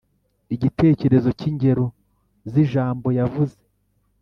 igitekerezo n’ingero z’ijambo yavuze